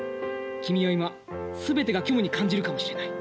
君は今全てが虚無に感じるかもしれない。